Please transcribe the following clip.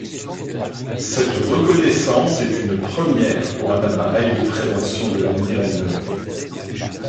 Cette reconnaissance est une première pour un appareil de prévention de la migraine.